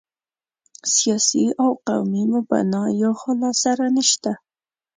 سیاسي او قومي مبنا یا خو له سره نشته.